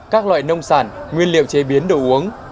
các loại nông sản nguyên liệu chế biến đồ uống